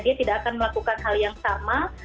dia tidak akan melakukan hal yang sama